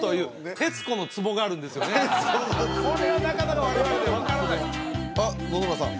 これはなかなか我々では分からない野々村さん